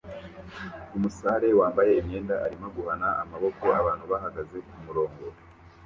Umusare wambaye imyenda arimo guhana amaboko abantu bahagaze kumurongo